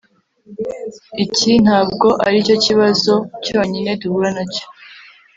Iki ntabwo aricyo kibazo cyonyine duhura nacyo